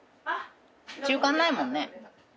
中間ないもんね。